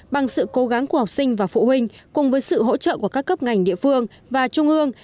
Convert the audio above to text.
bằng sự cố gắng của học sinh và phụ huynh cùng với sự hỗ trợ của các cấp ngành địa phương và trung ương